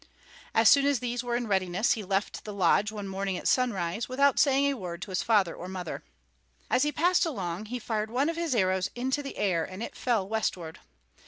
As soon as these were in readiness, he left the lodge one morning at sunrise, without saying a word to his father or mother. As he passed along, he fired one of his arrows into the air, and it fell westward.